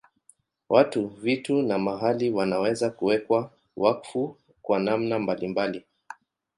Watu, vitu na mahali wanaweza kuwekwa wakfu kwa namna mbalimbali.